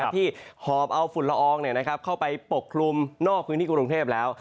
หอบเอาฝุ่นละอองเข้าไปปกคลุมนอกพื้นที่กรุงเทพแล้ว